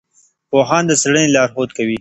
پوهان د څېړنې لارښود کوي.